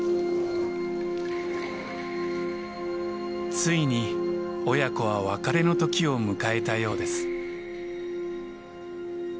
ついに親子は別れの時を迎えたようです。